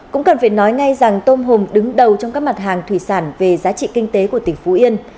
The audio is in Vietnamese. cũng cần phải nói ngay rằng tôm hùm đứng đầu trong các mặt hàng thủy sản về giá trị kinh tế của tỉnh phú yên